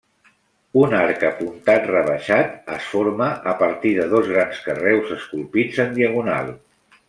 Un arc apuntat rebaixat es forma a partir de dos grans carreus esculpits en diagonal.